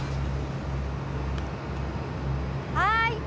はい。